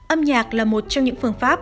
âm nhạc là một trong những phương pháp